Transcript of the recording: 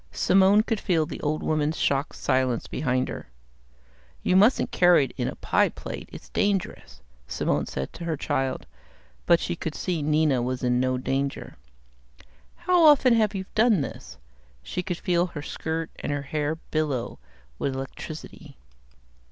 Simone could feel the old woman's shocked silence behind her. "You mustn't carry it in a pie plate, it's dangerous," Simone said to her child, but she could see Nina was in no danger. "How often have you done this?" She could feel her skirt and her hair billow with electricity.